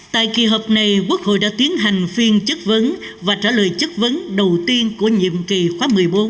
tại kỳ họp này quốc hội đã tiến hành phiên chất vấn và trả lời chất vấn đầu tiên của nhiệm kỳ khóa một mươi bốn